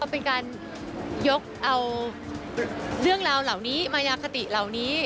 เป็นการยกเอาเรื่องราวเหล่านี้มายาคติเหล่านี้